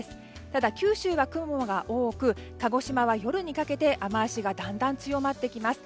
ただ、九州は雲が多く鹿児島は夜にかけて雨脚がだんだん強まってきます。